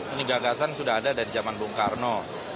ini gagasan sudah ada dari zaman bung karno